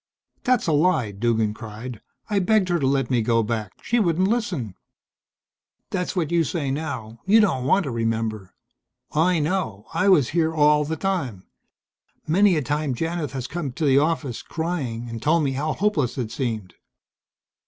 "That's a lie," Duggan cried. "I begged her to let me go back. She wouldn't listen." "That's what you say now. You don't want to remember. I know. I was here all the time. Many a time Janith has come to the office, crying, and told me how hopeless it seemed."